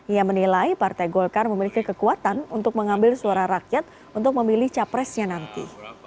ia menilai partai golkar memiliki kekuatan untuk mengambil suara rakyat untuk memilih capresnya nanti